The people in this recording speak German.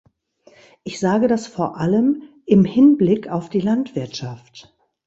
Ich sage das vor allem im Hinblick auf die Landwirtschaft.